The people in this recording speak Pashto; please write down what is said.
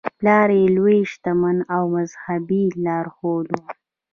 پلار یې لوی شتمن او مذهبي لارښود و.